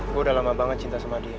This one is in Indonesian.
gue udah lama banget cinta sama dia